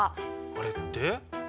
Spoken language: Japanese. あれって？